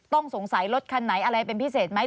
ต้องสงสัยรถคันไหนอะไรเป็นพิเศษไหม